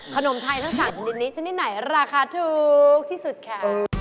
ขนมไทยทั้ง๓ชนิดนี้ชนิดไหนราคาถูกที่สุดค่ะ